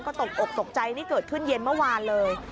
ก็ตกอกตกใจนี่เกิดขึ้นเย็นเมื่อวานเลย